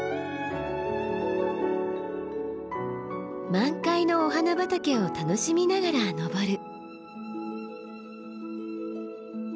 満開のお花畑を楽しみながら登る。